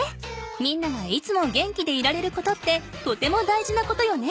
みんながいつも元気でいられることってとても大事なことよね。